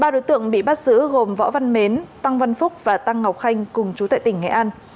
ba đối tượng bị bắt giữ gồm võ văn mến tăng văn phúc và tăng ngọc khanh cùng chú tại tỉnh nghệ an